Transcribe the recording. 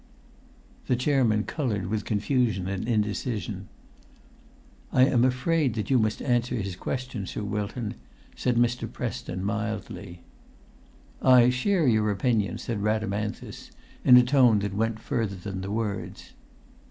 The chairman coloured with confusion and indecision. "I am afraid that you must answer his question, Sir Wilton," said Mr. Preston, mildly. "I share your opinion," said Rhadamanthus, in a tone that went further than the words.